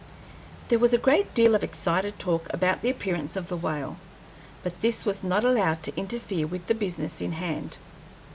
There was a great deal of excited talk about the appearance of the whale, but this was not allowed to interfere with the business in hand.